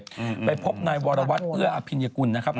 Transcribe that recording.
มันก็จะซื้อทางที่เลยไปพบวรวัชน์เกื้ออภิญกุลนะครับ